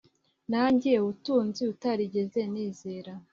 nanjye ubutunzi utarigeze nizera